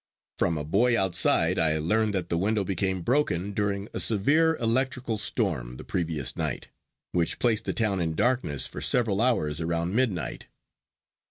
From a boy outside I learned that the window became broken during a severe electrical storm the previous night, which placed the town in darkness for several hours around midnight.